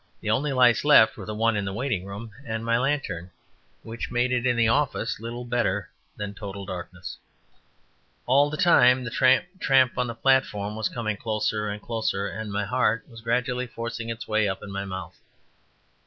The only lights left were the one in the waiting room and my lantern, which made it in the office little better than total darkness. All the time the tramp, tramp on the platform was coming closer and closer, and my heart was gradually forcing its way up in my mouth.